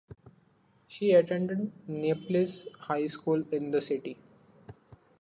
She attended Naples High School in the city.